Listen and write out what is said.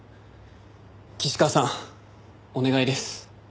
岸川さんお願いです。